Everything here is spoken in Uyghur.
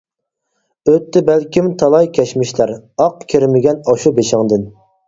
ئۆتتى بەلكىم تالاي كەچمىشلەر، ئاق كىرمىگەن ئاشۇ بېشىڭدىن.